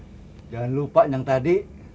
jangan lupa yang tadi